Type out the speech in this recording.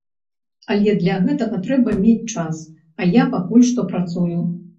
Але для гэтага трэба мець час, а я пакуль што працую.